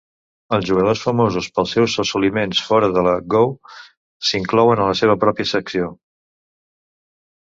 Els jugadors famosos pels seus assoliments fora de Go s'inclouen a la seva pròpia secció.